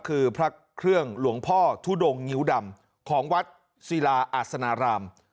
คือพระเครื่องหลวงพ่อทุดงงิ้วดำของวัดศิลาอาศนาราม